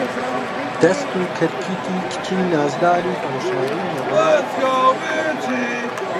دەست و کەرکیتی کچی نازداری هەوشاری نەبا